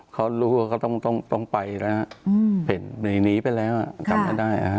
เขารู้ว่าเขาต้องไปแล้วนะฮะเห็นหนีไปแล้วทำได้ฮะ